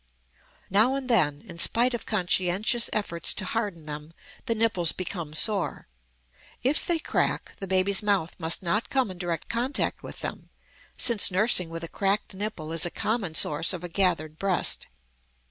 Now and then, in spite of conscientious efforts to harden them, the nipples become sore. If they crack, the baby's mouth must not come in direct contact with them, since nursing with a cracked nipple is a common source of a gathered breast.